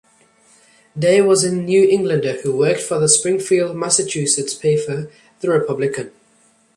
Day was a New Englander who worked for the Springfield, Massachusetts paper, the "Republican".